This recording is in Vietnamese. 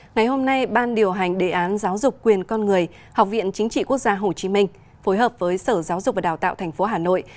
ngày hôm nay ban điều hành đề án giáo dục quyền con người học viện chính trị quốc gia hồ chí minh phối hợp với sở giáo dục và đào tạo tp hà nội